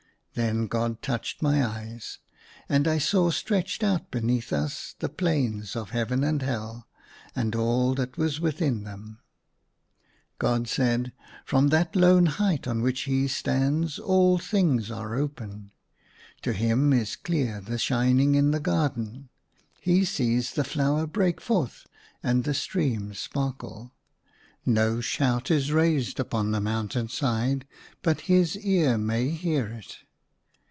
Then God touched my eyes, and I saw stretched out beneath us the plains of Heaven and Hell, and all that was within them. ACROSS MY BLD. 177 God said, " From that lone height on which he stands, all things are open. To him is clear the shining in the garden, he sees the flower break forth and the streams sparkle ; no shout is raised upon the mountain side but his ear may hear it.